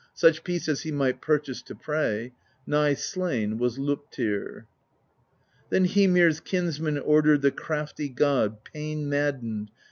Such peace as he might purchase To pray: nigh slain was Loptr. Then Hymir's Kinsman ordered The crafty god, pain maddened.